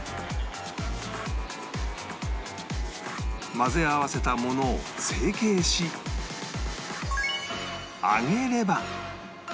混ぜ合わせたものを成形し揚げれば